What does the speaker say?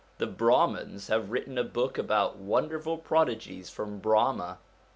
The Brahmans have written a book about wonderful prodigies from Brahma.'